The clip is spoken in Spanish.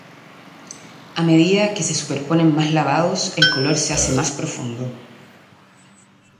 A medida que se superponen más lavados el color se hace más profundo.